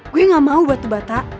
gue gak mau batu bata